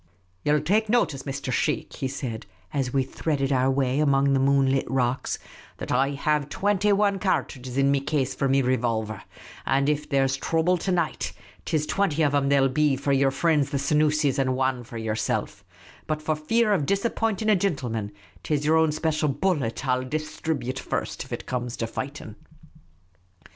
" Ye '11 take notice, Mr. Sheikh," he said, as we threaded our way among the moon lit rocks, " that I have twinty wan cartridges in me case for me revolver ; and that if there 's throuble to night, 't is twinty of them there '11 be for your frinds the Senoosis, and wan for yerself ; but for fear of dis appointing a gintleman, 't is yer own special bullet I '11 dis thribute first, if it comes to fighting."